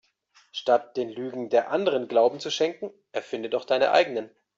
Statt den Lügen der Anderen Glauben zu schenken erfinde doch deine eigenen.